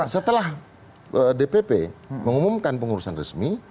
setelah dpp mengumumkan pengurusan resmi